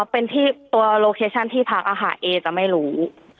เป็นที่ตัวโลเคชั่นที่พักเอจะไม่รู้